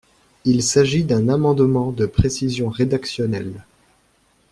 Il s’agit d’un amendement de précision rédactionnelle.